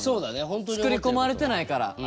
作り込まれてないからある意味。